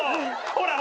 ほら！